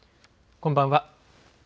こんばんは。